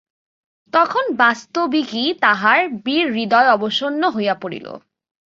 তখন বাস্তবিকই তাঁহার বীরহৃদয় অবসন্ন হইয়া পড়িল।